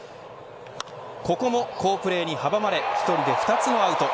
ここも好プレーに阻まれ１人で２つのアウト。